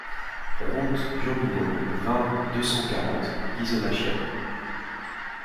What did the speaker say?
Route d'Urbino, vingt, deux cent quarante Ghisonaccia